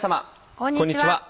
こんにちは。